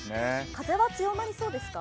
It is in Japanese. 風は強まりそうですか？